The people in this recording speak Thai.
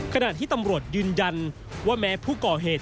ขณะที่ตำรวจยืนยันว่าแม้ผู้ก่อเหตุ